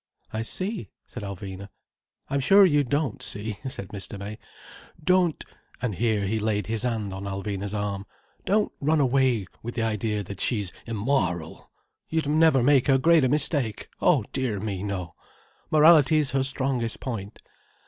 "I see," said Alvina. "I'm sure you don't see," said Mr. May. "Don't—" and here he laid his hand on Alvina's arm—"don't run away with the idea that she's immoral! You'd never make a greater mistake. Oh dear me, no. Morality's her strongest point.